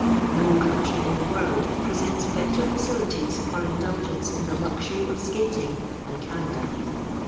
No country in the world presents better facilities for indulgence in the luxury of skating than Canada.